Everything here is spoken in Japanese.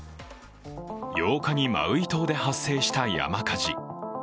８日にマウイ島で発生した山火事。